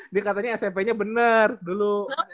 dia katanya smp nya bener dulu